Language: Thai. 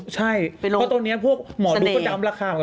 ใช่เพราะตอนนี้พวกหมอดูก็จำราคาเหมือนกัน